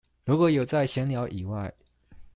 如果有在閒聊以外